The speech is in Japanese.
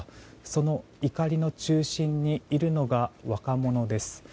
その怒りの中心にいるのが若者です。